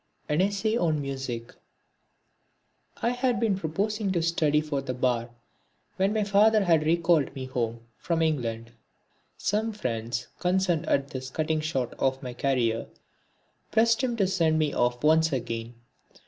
(31) An Essay on Music I had been proposing to study for the bar when my father had recalled me home from England. Some friends concerned at this cutting short of my career pressed him to send me off once again.